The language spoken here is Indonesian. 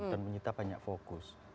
dan menyita banyak fokus